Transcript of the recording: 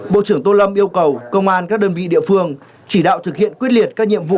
bộ trưởng tô lâm yêu cầu công an các đơn vị địa phương chỉ đạo thực hiện quyết liệt các nhiệm vụ